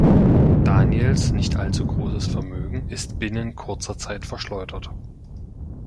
Daniels nicht allzu großes Vermögen ist binnen kurzer Zeit verschleudert.